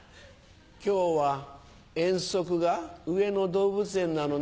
今日は遠足が上野動物園なのね。